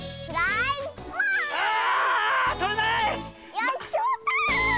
よしきまった！